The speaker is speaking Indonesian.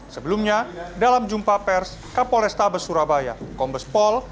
sebelumnya dalam jumpa pers kapolestabes surabaya kombespol